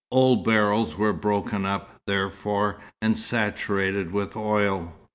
Old barrels were broken up, therefore, and saturated with oil.